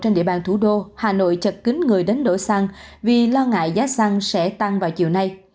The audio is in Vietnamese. trên địa bàn thủ đô hà nội chật kính người đến đổ xăng vì lo ngại giá xăng sẽ tăng vào chiều nay